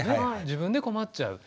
自分で困っちゃう。